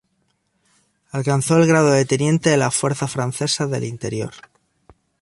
Alcanzó el grado de teniente de las Fuerzas Francesas del Interior.